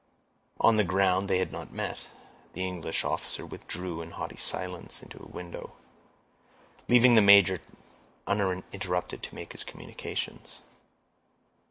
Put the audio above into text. On the ground they had not met. The English officer withdrew in haughty silence to a window, leaving the major uninterrupted to make his communications.